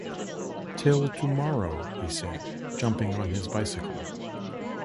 “Till to-morrow,” he said, jumping on his bicycle.